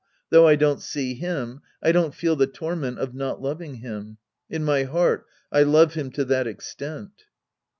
Though I don't see liim, I don't feel the torment of not loving him. In my heart, I love him to that extent.